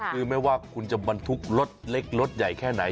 คือไม่ว่าคุณจะบรรทุกรถเล็กรถใหญ่แค่ไหน